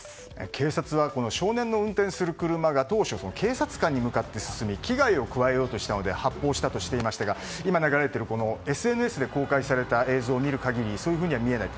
警察は少年の運転する車が当初、警察官に向かって進み危害を加えようとしたので発砲したと伝えていましたが今流れているＳＮＳで公開された映像を見る限りそういうふうには見えない。